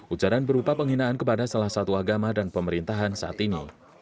ujaran berupa penghinaan kepada salah satu agama dan pemerintahan saat ini